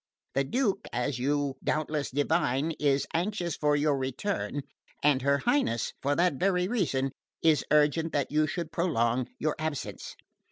The Duke, as you doubtless divine, is anxious for your return, and her Highness, for that very reason, is urgent that you should prolong your absence.